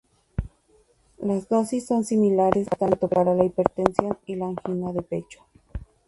Las dosis son similares tanto para la hipertensión y la angina de pecho.